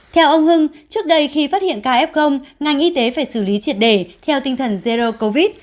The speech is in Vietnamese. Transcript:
theo ông hưng trước đây khi phát hiện ca f ngành y tế phải xử lý triệt đề theo tinh thần zero covid